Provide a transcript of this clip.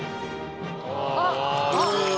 あっ。